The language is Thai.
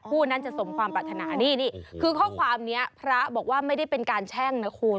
คู่นั้นจะสมความปรารถนานี่นี่คือข้อความนี้พระบอกว่าไม่ได้เป็นการแช่งนะคุณ